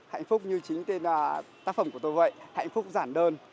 hạnh phúc như chính tên tác phẩm của tôi vậy hạnh phúc giản đơn